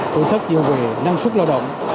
tổn thất nhiều về năng suất lao động